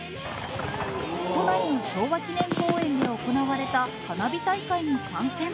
都内の昭和記念公園で行われた花火大会に参戦。